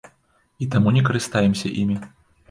І таму не карыстаемся імі.